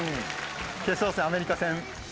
決勝戦アメリカ戦。